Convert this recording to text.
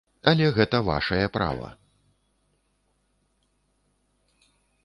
Але гэта вашае права.